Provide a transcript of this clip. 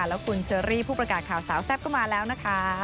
แล้วคุณเชอรี่ผู้ประกาศข่าวสาวแซ่บก็มาแล้วนะคะ